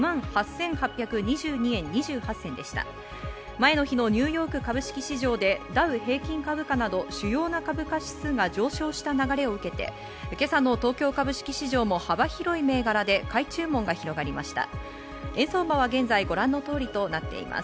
前の日のニューヨーク株式市場でダウ平均株価など主要な株価指数が上昇した流れを受けて、今朝の東京株式市場も幅広い銘柄で買い注文が広がりました。